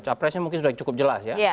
capresnya mungkin sudah cukup jelas ya